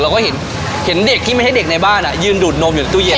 เราก็เห็นเด็กที่ไม่ให้เด็กในบ้านยืนดูดนมอยู่ในตู้เย็น